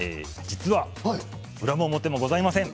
実は裏も表もございません。